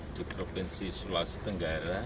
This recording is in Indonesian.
di provinsi sulawesi tenggara